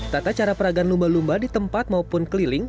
tata cara peragaan lumba lumba di tempat maupun keliling